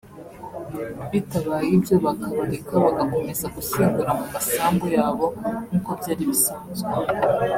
bitabaye ibyo bakabareka bagakomeza gushyingura mu masambu yabo nk’uko byari bisanzwe